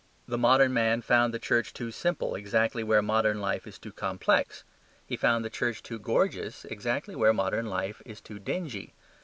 The modern man found the church too simple exactly where modern life is too complex; he found the church too gorgeous exactly where modern life is too dingy.